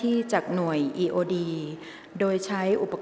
กรรมการท่านที่สี่ได้แก่กรรมการใหม่เลขเก้า